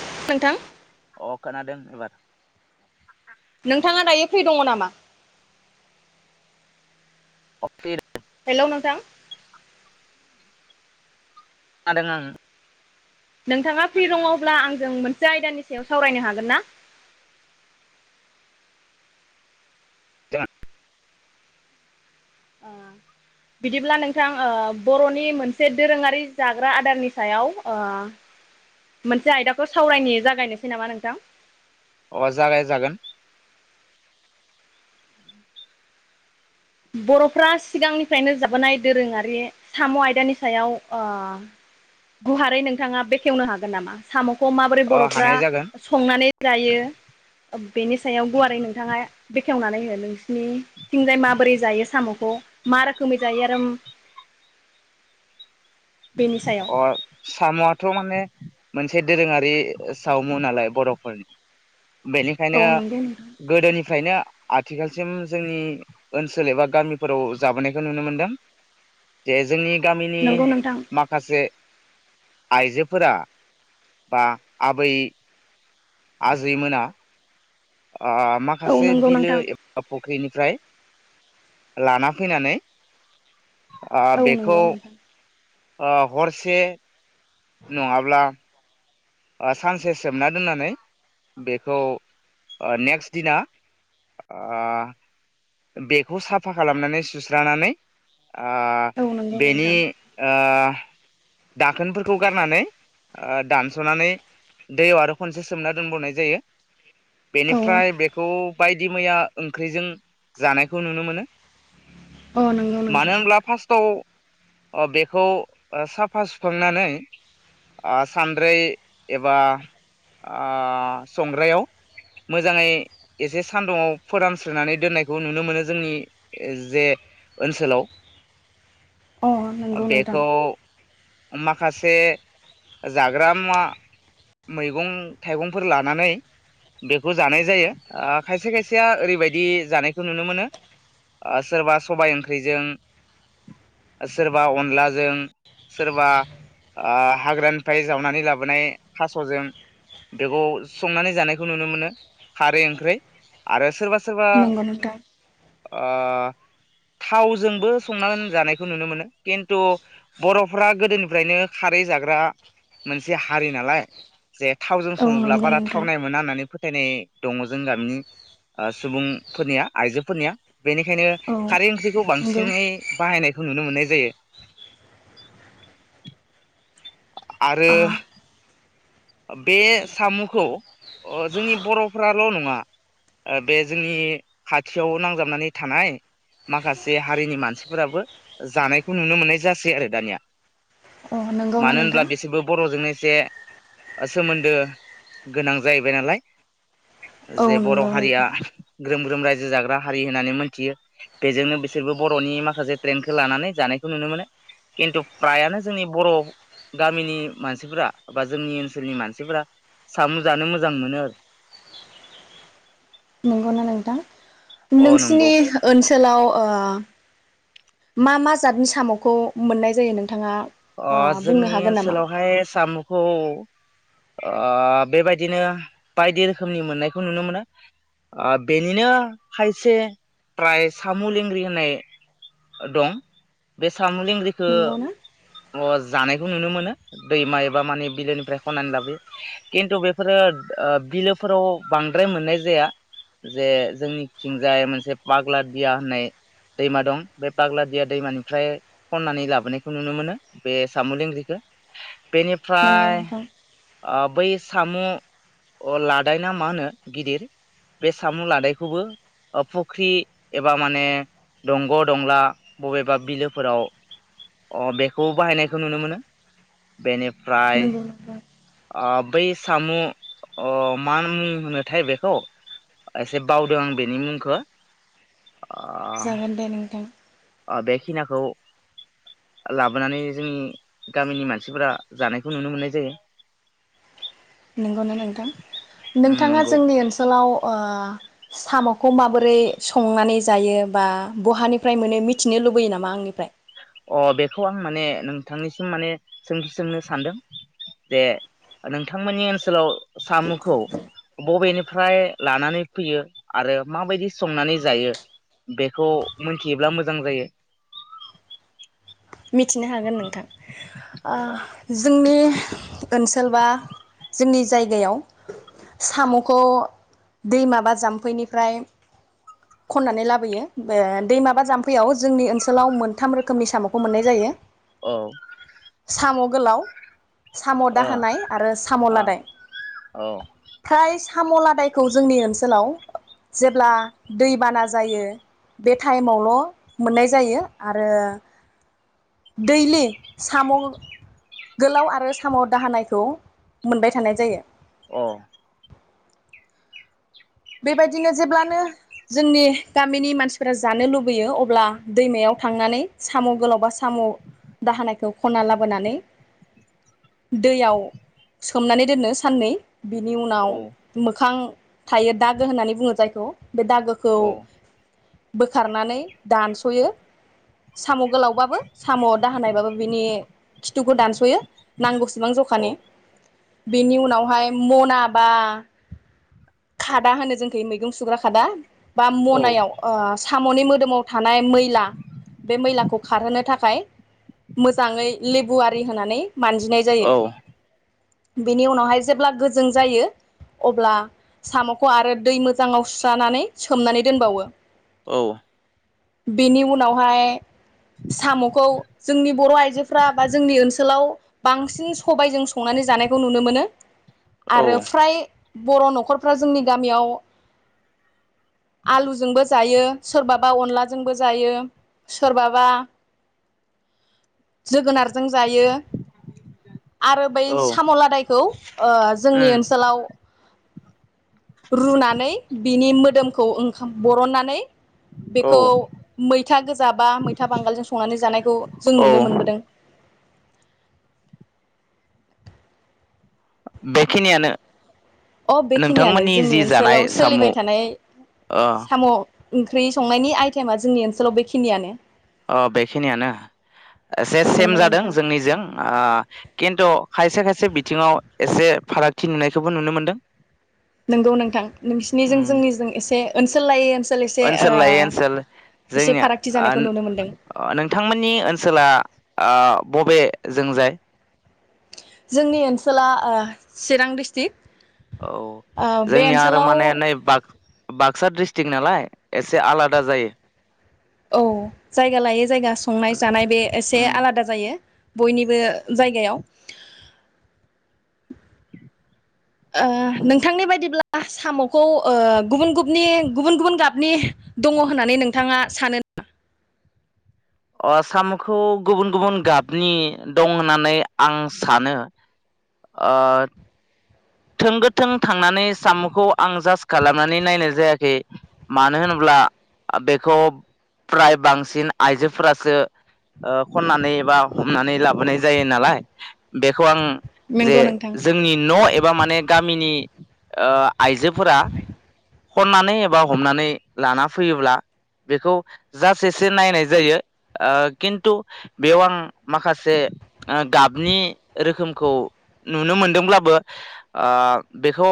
Hello नोंथां अ खोनादों एबार नोंथाङा दायो फ्रि दङ नामा? अ फिर हेलौ नोंथां आदों आं नोंथाङा फ्रि दङब्ला आंजों मोनसे आयदानि सायाव सावरायनो हागोन ना? अ बिदिब्ला नोंथां अ बर'नि मोनसे दोरोङारि जाग्रा आदारनि सायाव अ मोनसे आयदाखौ सावरायने जागायनोसै नामा नोंथां? अ जागाय जागोन बर'फ्रा सिगांनिफ्रायनो जाबोनाय दोरोङारि साम' आयदानि सायाव अ गुहा खौ माबोरै अ बर'फ्रा हानाय जागोन संनानै जायो बेनि सायाव गुवारै नोंथाङा बे खेवनानै हो नोंसिनि थिंजाय माबोरै जायो साम'खौ मा रोखोमै जायो आरो [inaudible] बेनि सायाव अ साम'आथ' माने मोनसे दोरोङारि सावमु नालाय बर'फोरनि। बेनिखायनो औ नंगौ नोंथां गोदोनिफ्रायनो आथिखालसिम जोंनि ओनसोल एबा गामिफोराव जाबोनायखौ नुनो मोनदों जे जोंनि गामिनि नंगौ नोंथां जे आइजोफोरा बा आबै आजैमोना ओ औ माखासे नंगौ बिलो नोंथां एबा फुख्रिनिफ्राय लाना फैनानै ओ औ नंगौ बेखौ नोंथां ओ हरसे नङाब्ला ओ सानसे सोमना दोननानै बेखौ आ नेक्स्ट दिना ओ बेखौ साफा खालामनानै सुस्रानानै आ औ नंगौ बेनि नोंथां आ दाखोनफोरखौ गारनानै ओ दानस'नानै दैयाव आरो खनसे सोमना दोनबावनाय जायो औ बेनिफ्राय बेखौ बायदि मैया ओंख्रिजों जानायखौ नुनो मोनो अ नंगौ मानो नोंथां होनब्ला फार्स्टआव औ आ बेखौ आ साफा सुखांनानै आ सानद्रै एबा आ संग्रायाव मोजाङै एसे सान्दुङाव फोरानस्रोनानै दोननाय औ नुनो मोनो जोंनि जे ओनसोलाव अ नंगौ नोंथां बेखौ माखासे जाग्रा मुवा मैगं थाइगंफोर लानानै बेखौ जानाय जायो आ खायसे खायसेया ओरैबायदि जानाय खो नुनो मोनो ओ सोरबा सबाय ओंख्रिजों, सोरबा अनलाजों, सोरबा आ हाग्रानिफ्राय जावनानै लाबोनाय थास'जों बेखौ संनानै जानायखौ नुनो मोनो खारै ओंख्रै आरो सोरबा सोरबा नंगौ नोंथां ओ थावजोंबो संनानै जानायखौ नुनो मोनो खिन्थु बर'फ्रा गोदोनिफ्रायनो खारै जाग्रा मोनसे हारि नालाय जे थावजों औ सङोब्ला नंगौ बारा नोंथां थावनाय मोना होननानै फोथायनाय दङ जों गामिनि ओ सुबुंफोरनिया आइजोफोरनिया बेनिखायनो औ खारै ओं जिखौ नंगौ बांसिनै बाहायनाय नुनो मोननाय जायो। आरो अ बे साम'खौ ओ जोंनि बर'फ्राल' नङा ओ बे जोंनि खाथियाव नांजाबनानै थानाय माखासे हारिनि मानसिफोराबो जानायखौ नुनो मोननाय जासै आरो दानिया अ नंगौना मानो होनब्ला नोंथां बिसोरबो बर'जोंनो जे ओ सोमोन्दो गोनां जाहैबाय नालाय औ जे बर' नंगौ हारिया नोंथां ग्रोम ग्रोम रायजो जाग्रा हारि होननानै मोनथियो बेजोंनो बिसोरबो बर'नि माखासे ट्रेन्डखौ लानानै जानायखौ नुनो मोनो। खिन्थु फ्रायानो जोंनि बर' गामिनि मानसिफोरा बा जोंनि ओन सोलनि मानसिफोरा सामु जानो मोजां मोनो ‌। नंगौ ना नोंथां? नोंसिनि नंगौ ओनसोलाव अ मा मा जादनि साम'खौ मोननाय जायो नों अ जोंनि ओनसोलावहाय सामुखौ ओ बेबायदिनो बायदि रोखोमनि मोननायखौ नुनो मोनो। ओ बेनिनो खायसे प्राय सामु लेंग्रि होननाय दं, बे साम' लेंग्रिखो नंगौ ना अ जानायखौ नुनो मोनो। दैमा एबा माने बिलोनिफ्राय खननानै लाबोयो, खिन्थु बेफोरो बिलोफोराव बांद्राय मोननाय जाया। जे जोंनि थिंजाय मोनसे पाग्लादिया होननाय दैमा दं। बे पाग्लादिया दैमानिफ्राय खननानै लाबोनायखौ नुनो मोनो। बे साम' लेंग्रिखो नंगौ बेनिफ्राय नोंथां अ बै साम' लादाय ना मा होनो गिदिर, बे साम' लादायखौबो फुख्रि एबा माने दंग' दंला बबेबा बिलोफोराव बे खौ बाहायनायखौ नुनो मोनो बेनि फ्राय नंगौ नोंथां आब बै साम' मा अ मा मुं होनोथाय बेखौ, एसे बावदों आं बेनि मुंखौ जागोन दे नोंथां। बेखिनाखौ लाबोनानै जोंनि गामिनि मानसिफोरा जानायखौ नुनो मोननाय जायो। नंगौना नोंथां? उम नोंथाङा नंगौ जोंनि ओनसोलाव ओ साम'खौ माबोरै संनानै जायो बा बहानिफ्राय मोनो मिथिनो लुबैयो नामा आंनिफ्राय? अ बेखौ आं माने नोंथांनिसिम माने सोंथि सोंनो सानदों जे नोंथांमोननि ओनसोलाव साम'खौ बबेनि फ्राय लानानै फैयो आरो माबायदि संनानै जायो बेखौ मिथियोब्ला मोजां जायो। मिथिनो हागोन नोंथां आ औ जोंनि ओनसोल बा जोंनि जायगायाव साम'खौ दैमाबा जाम्फैनिफ्राय खननानै लाबोयो दैमा बा जाम्फैयाव जोंनि ओनसोलाव मोनथाम रोखोमनि साम' खौ मोननाय जायो। औ। साम' गोलाव साम' ओ दाहोनाय आरो साम' लादाय। ओ औ फ्राय साम' लादायखौ जोंनि ओनसोलाव जेब्ला दैबाना जायो बे टाइम आवल' मोननाय जायो आरो दैलि साम' गोलाव आरो साम' दाहोनायखौ मोनबाय थानाय जायो। अ बेबायदिनो जेब्लानो जोंनि गामिनि मानसि फोरा जानो लुबैयो अब्ला दैमायाव थांनानै साम' गोलाव बा साम' दाहानायखौ खनना लाबोनानै दैयाव सोमनानै दोनो साननै। बिनि उनाव औ मोखां थायो दागो होननानै बुङो जायखौ। बे दागोखौ औ बोखार नानै दानस'यो। साम' गोलाव बाबो साम' दाहोनाय बाबो बिनि खिथुखौ दानस'यो। नांगौ सेबां औ जखानि। बेनि उनाव हाय मना बा खादा होनो जोंखै मैगं सुग्रा खादा बा मनायाव ओ साम'नि मोदोमाव थानाय मैला, बे मैलाखौ खार होनो थाखाय मोजाङै लेबु आरि होनानै मानजिनाय औ जायो। बेनि उनाव हाय जेब्ला गोजों जायो अब्ला साम'खौ आरो दै मोजाङाव सुस्रानानै सोमनानै दोनबावो। औ। बेनि उनाव हाय साम'खौ जोंनि बर' आइजोफ्रा बा जोंनि ओनसोलाव बांसिन सबायजों संनानै जानायखौ नुनो मोनो। औ आरो फ्राय बर' न'खर फ्रा जोंनि गामियाव आलु जोंबो जायो सोरबाबा अनला जोंबो जायो सोरबाबा जोगोनारजों जायो। आरो बै औ साम' लादायखौ ओ जोंनि उम ओनसोलाव रुनानै बिनि मोदोमखौ ओं बरननानै औ बेखौ मैथा गोजा बा मैथा बांगालजों संनानै जानायखौ जों औ नुनो मोनबोदों। बे खिनियानो। अ बे खिनियानो जोंनि ओनसोलाव साम' ओ सोलिबाय थानाय ओ साम' ओंख्रि संनायनि आइटेमा जोंनि ओनसोलाव बेखिनियानो। अ बेखिनियानो एसे सेम नंगौ जादों नोंथां जोंनि जों ओ खिन्थु खायसे खायसे बिथिङाव एसे फारागथि नुनाय खौबो नुनो मोनदों। नोंगौ नोंथां नोंसिनिजों उम जोंनिजों एसे ओनसोल लायै ओसोल ओनसोल लायै ओनसोल जोंनिया फारागथि जानायखौ आन नुनो मोनदों आन नोंथांमोननि ओनसोला। बबे जोंजाय जोंनि ओनसोला ओ चिरां डिस्ट्रिक्ट औ ओ बे जोंनिया आरो ओनसोलाव माने नै बा बाक्सा डिस्ट्रिक नालाय एसे आलादा जायो औ जायगा लायै जायगा संनाय जानाय बे एसे उम आलादा जायो बयनिबो जायगायाव [inaudible] ओ नोंथांनि बायदिब्ला साम'खौ गुबुन गुबनि गुबुन गुबुन गाबनि दङ होननानै नोंथाङा सानो नामा? आ साम'खौ गुबुन गुबुन गाबनि दं होननानै आं सानो थों गोथों थांनानै साम'खौ आं जास्ट खालामनानै नायनाय जायाखै मानो होनोब्ला बेखौ फ्राय बांसिन आइजोफोरासो ओ खननानै बा हमनानै लाबोनाय जायो नालाय बेखौ आं जे नंगौ नोंथां जोंनि न' ए माने गामिनि आ आइजोफोरा खननानै एबा हमनानै लाना फैयोब्ला बेखौ जास एसे नायनाय जायो ओ खिन्थु बेयाव आं माखासे गाबनि रोखोमखौ नुनो मोनदोंब्लाबो ओ बेखौ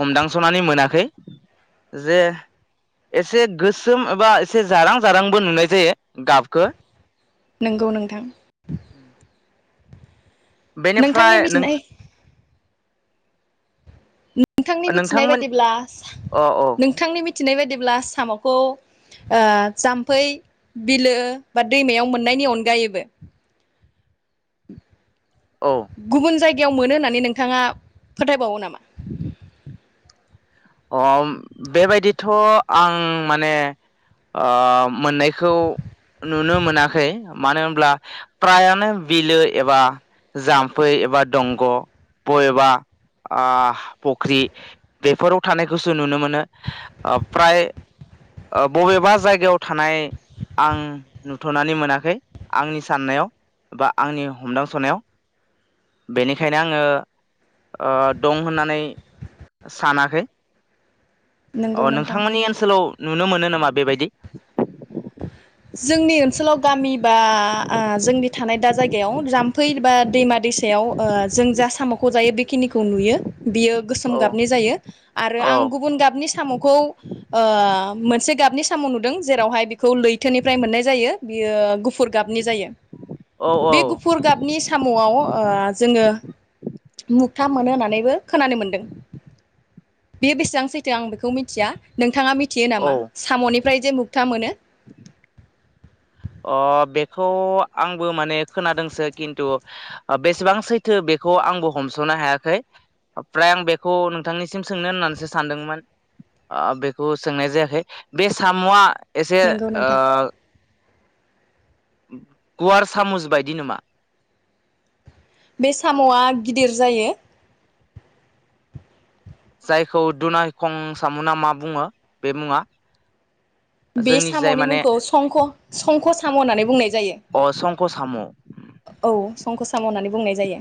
हमदांस'नानै मोनाखै जे एसे गोसोम एबा एसे जारां जारांबो नुनाय जायो गाबखो नंगौ नोंथां नोंथांनि बेनिफ्राय नों मिथिनाय नोंथांनि मिथिनाय नोंथांमोन बायदिब्ला सा अ औ नोंथांनि मिथ मिथिनाय बायदिब्ला सामखौ ओ जाम्फै बिलो बा दैमायाव मोननायनि अनगायैबो उम औ गुबुन जायग गायाव मोनो होन्नानै नोंथाङा फोथायबावो नामा? अ बेबायदिथ आं माने ओ मोननायखौ नुनो मोनाखै मानो होनब्ला फ्रायानो बिलो एबा जाम्फै एबा दंग बबेबा फुख्रि बेफोराव थानायखौसो नुनो मोनो ओ फ्राय ओ बबेबा जायगायाव थानाय आं नुथनानै मोनाखै आंनि साननायाव बा आंनि हमदांसनायाव बेनिखायनो आङो दं होननानै सानाखै। अ नंगौ नोंथां नोंथांमोननि ओनसोलाव नुनो मोनो नामा बेबायदि? जोंनि ओनसोलाव गामि बा ओ जोंनि थानाय दा जायगायाव जाम्फै बा दैमा दैसायाव जों जा सामखौ जायो बेखिनिखौ नुयो। बियो गोसोम औ गाबनि जायो आरो औ आं गुबुन गाबनि सामख खौ ओ मोनसे गाबनि साम नुदों जेरावहाय खौ लैथोनिफ्राय मोननाय जायो बियो गुफुर गाबनि जायो। औ बे औ गुफुर गाबनि सामआव ओ जोङो मुगथा मोनो होननानैबो खोनानो मोनदों। बे बेसेबां सैथो आं बेखौ मिथिया नोंथाङा मिथ थियो औ नामा सामनि ओमफ्राय जे मुगथा मोनो? [unintelligible] अ बेखौ आंबो माने खोनादोंसो खिन्थु ओ बेसेबां सैथो बेखौ आंबो हमसनो हायाखै फ्राय आं बेखौ नोंथांनिसिम सोंनो होननानैसो सानदोंमोन। ओ बेखौ सोंनाय जायाखै बे सामआ एसे नंगौ ओ नोंथां गुवार सामुस बायदि नामा? बे सामआ गिदिर जायो। जायखौ दुनायखं सामुना मा बुङो बे मुङा? बे जोंनि जाय सामनि माने मुंखौ संख संख साम होननानै बुंनाय जायो। अ संख' साम' औ। संख साम होननानै बुंनाय जायो।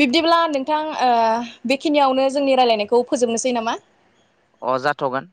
बिब्दिब्ला नोंथां ओ बेखिनियावनो जोंनि रायलायनायखौ फोजोबनोसै नामा? अ जाथगोन।